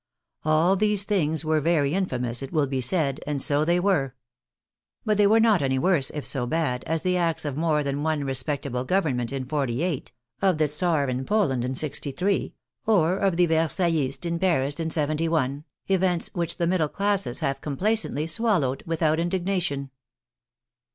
All these things were very infamous, it will be said, and so they were. But they were not any worse, if so bad, as the acts of more than one respectable government in '48, of the Czar in Poland in '63, or of the Versaillists in Paris in '71, events which the middle classes have complacently swallowed without indignation!